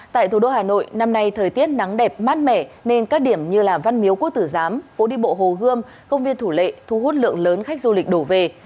tại thủ đô hà nội năm nay thời tiết nắng đẹp mát mẻ nên các điểm như là văn miếu quốc tử giám phố đi bộ hồ gươm công viên thủ lệ thu hút lượng lớn khách du lịch đổ về